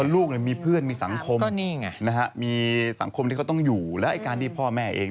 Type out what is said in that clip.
ลูกมีเพื่อนมีสังคมมีสังคมที่เขาต้องอยู่แล้วไอ้การที่พ่อแม่เอง